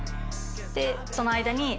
でその間に。